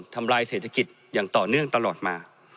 ทำลายเศรษฐกิจอย่างต่อเนื่องตลอดมา